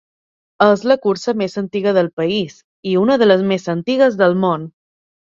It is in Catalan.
És la cursa més antiga del país, i una de les més antigues del món.